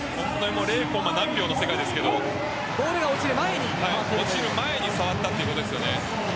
０コンマ何秒の世界ですけれど落ちる前に触ったということですよね。